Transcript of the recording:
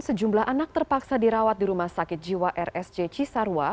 sejumlah anak terpaksa dirawat di rumah sakit jiwa rsj cisarwa